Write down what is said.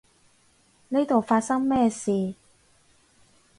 呢度發生咩事？